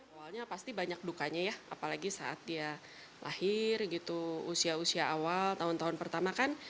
awalnya pasti banyak dukanya ya apalagi saat dia lahir gitu usia usia awal tahun tahun pertama kan